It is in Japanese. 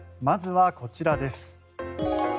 まずはこちらです。